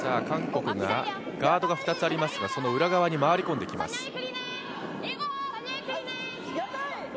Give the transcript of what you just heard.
韓国がガードが２つありますが、裏側に回り込んできます。